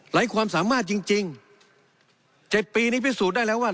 ความสามารถจริง๗ปีนี้พิสูจน์ได้แล้วว่า